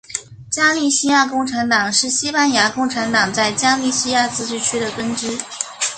加利西亚共产党是西班牙共产党在加利西亚自治区的分支。